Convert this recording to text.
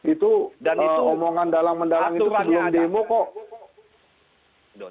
itu omongan dalam mendalang itu kemudian demo kok